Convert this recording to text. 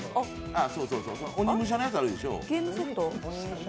鬼武者のやつあるでしょ？